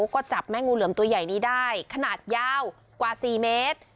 ก็จับแม่งูเหลือมตัวใหญ่นี้ได้ขนาดยาวกว่า๔เมตร